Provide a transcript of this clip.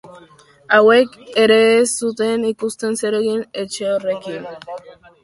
Hauek ere ez zuten ikusten zer egin etxe horrekin.